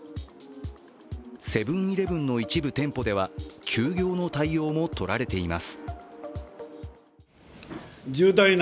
セブン−イレブンの一部店舗では休業の対応もとられています。